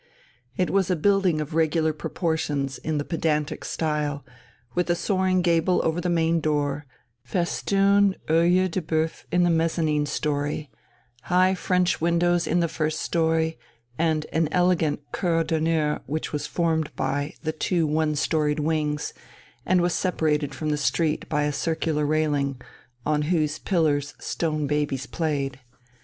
It was a building of regular proportions in the pedantic style, with a soaring gable over the main door, festooned oeils de boeuf in the mezzanine story, high French windows in the first story, and an elegant cour d'honneur, which was formed by the two one storied wings and was separated from the street by a circular railing, on whose pillars stone babies played.